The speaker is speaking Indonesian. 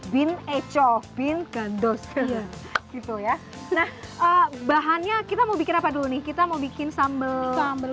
bin eco bin kandos ya gitu ya nah bahannya kita mau bikin apa dulu nih kita mau bikin sambel sambel